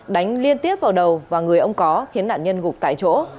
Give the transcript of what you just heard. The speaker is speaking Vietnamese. đánh liên tiếp vào đầu và người ông có khiến nạn nhân gục tại chỗ